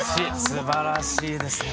すばらしいですね。